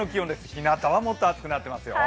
ひなたはもっと暑くなっています。